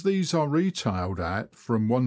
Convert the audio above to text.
are retailed at from is.